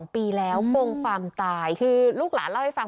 ๒ปีแล้วปมความตายคือลูกหลานเล่าให้ฟัง